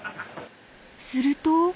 ［すると］